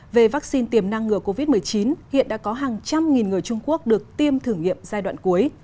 về vaccine tiềm năng ngừa covid một mươi chín hiện đã có hàng trăm nghìn người trung quốc được tiêm thử nghiệm giai đoạn cuối